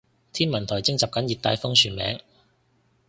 天文台徵集緊熱帶風旋名